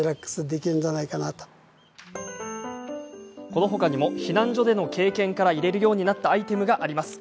このほかにも避難所での経験から入れるようになったアイテムがあります。